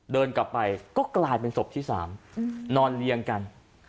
เดินกลับไปก็กลายเป็นศพที่๓นอนเรียงกัน